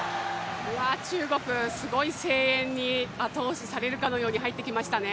中国、すごい声援に後押しされるように入ってきましたね。